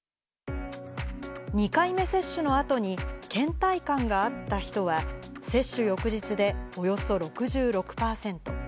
２回目接種のあとにけん怠感があった人は、接種翌日でおよそ６６％。